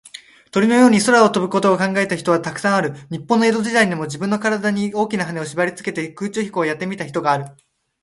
鳥のように空を飛ぶことを考えた人は、たくさんある。日本の江戸時代にも、じぶんのからだに、大きなはねをしばりつけて、空中飛行をやってみた人がある。